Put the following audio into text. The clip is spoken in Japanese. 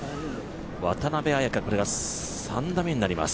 渡邉彩香、３打目になります。